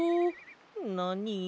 なに？